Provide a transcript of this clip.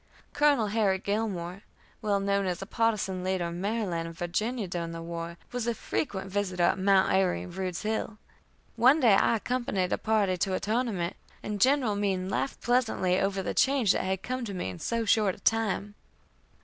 Colonel Harry Gilmore, well known as a partisan leader in Maryland and Virginia during the war, was a frequent visitor at Mount Airy and Rude's Hill. One day I accompanied a party to a tournament, and General Meem laughed pleasantly over the change that had come to me in so short a time.